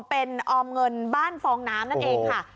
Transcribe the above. เป็นออมเงินบ้านฟองน้ำนั่นเองค่ะ